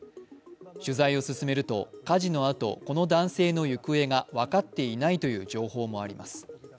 取材を進めると、火事のあとこの男性の行方が分かっていないという情報もあります。